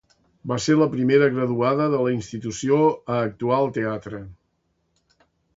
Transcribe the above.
Va ser la primera graduada de la institució a actuar al teatre.